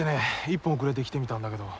一本遅れて来てみたんだけど。